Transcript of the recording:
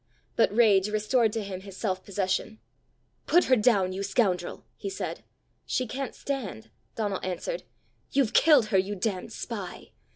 But rage restored to him his self possession. "Put her down, you scoundrel!" he said. "She can't stand," Donal answered. "You've killed her, you damned spy!"